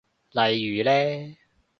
例如呢？